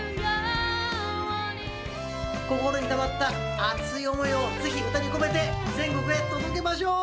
心にたまった熱い思いをぜひ歌に込めて全国へ届けましょう！